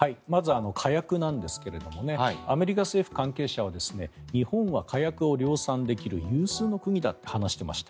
火薬ですがアメリカ政府関係者は日本は火薬を量産できる有数の国だと話していました。